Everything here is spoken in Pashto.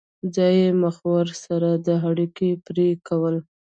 ځایي مخورو سره د اړیکو پرې کول.